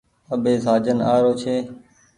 اٻي سآجن آ رو ڇي۔